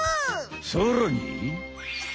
さらに。